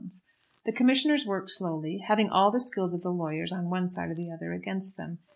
The commissioners work slowly, having all the skill of the lawyers, on one side or the other, against them.